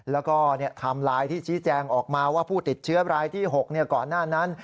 แล้วก็ไทม์ไลน์ที่ชี้แจงออกมาว่าผู้ติดเชื้อรายที่๖ก่อนหน้านั้น